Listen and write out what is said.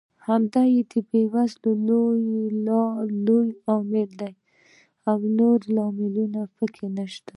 همدا یې د بېوزلۍ لوی لامل دی او نور لاملونه پکې نشته.